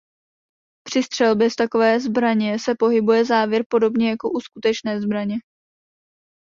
Při střelbě z takovéto zbraně se pohybuje závěr podobně jako u skutečné zbraně.